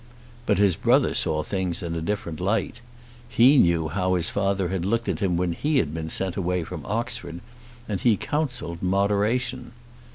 But his brother saw things in a different light. He knew how his father had looked at him when he had been sent away from Oxford, and he counselled moderation.